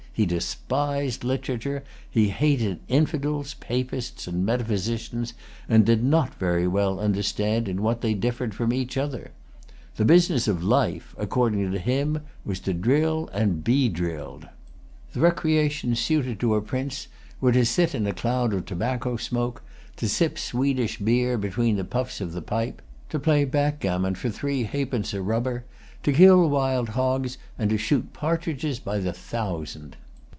He despised literature. He hated infidels, papists, and metaphysicians, and did not very well understand in what they differed from each other. The business of life, according to him, was to drill and to be drilled. The recreations suited to a prince were to sit in a cloud of tobacco smoke, to sip Swedish beer between the puffs of the pipe, to play backgammon for three half pence[Pg 248] a rubber, to kill wild hogs, and to shoot partridges by the thousand.